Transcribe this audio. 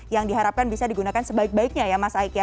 yang diharapkan bisa digunakan sebaik baiknya ya mas aik ya